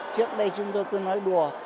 trước đây chúng tôi cứ nói đùa